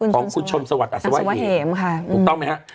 ของคุณชมสวัสดิ์อัสวะเหมถูกต้องไหมครับ